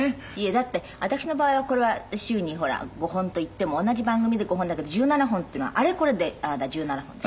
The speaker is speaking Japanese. だって私の場合はこれは週にほら５本といっても同じ番組で５本だけど１７本っていうのはあれこれであなた１７本でしょ？